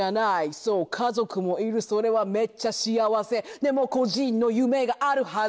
「そう家族もいるそれはめっちゃ幸せ」「でも個人の夢があるはず